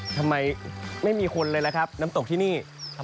ทำไมไม่มีคนเลยล่ะครับน้ำตกที่นี่